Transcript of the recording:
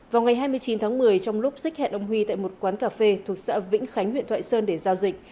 vào ngày hai mươi chín tháng một mươi trong lúc xích hẹn ông huy tại một quán cà phê thuộc xã vĩnh khánh huyện thoại sơn để giao dịch